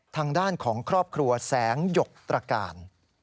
ทางด้านของครอบครัวแสงหยกตรการ